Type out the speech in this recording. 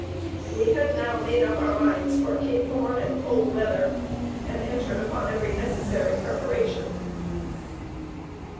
We had now made up our minds for Cape Horn and cold weather, and entered upon every necessary preparation.